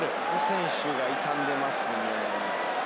選手が痛んでますね。